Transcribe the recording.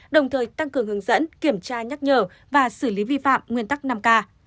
đồng thời tăng cường hướng dẫn kiểm tra nhắc nhở và xử lý vi phạm nguyên tắc năm k